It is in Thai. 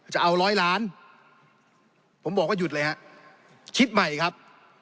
จะเอาร้อยล้านผมบอกว่าหยุดเลยฮะคิดใหม่ครับ